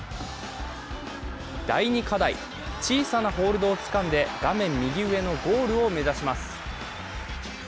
第２課題、小さなホールドをつかんで画面右上のゴールを目指します。